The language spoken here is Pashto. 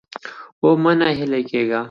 او مه ناهيلي کېږئ